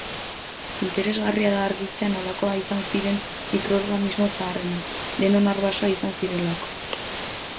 Interesgarria da argitzea nolakoa izan ziren mikroorganismo zaharrenak, denon arbasoa izan zirelako.